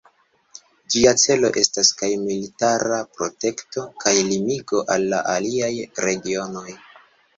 Ĝia celo estas kaj militara protekto, kaj limigo al la aliaj regionoj.